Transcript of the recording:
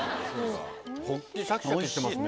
ホッキシャキシャキしてますね。